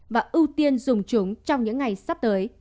và ưu tiên dùng chúng trong những ngày sắp tới